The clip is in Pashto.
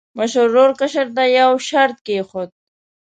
مشر ورور کشر ته یو شرط کېښود.